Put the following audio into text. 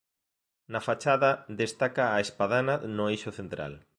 Na fachada destaca a espadana no eixo central.